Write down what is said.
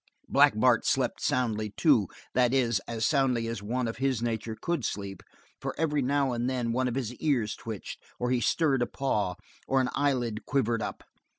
Black Bart slept soundly, too, that is, as soundly as one of his nature could sleep, for every now and then one of his ears twitched, or he stirred a paw, or an eyelid quivered up.